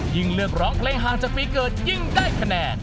ยิ่งเลือกร้องเพลงห่างจากปีเกิดยิ่งได้คะแนน